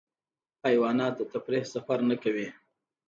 حیوانات د تفریح سفر نه کوي.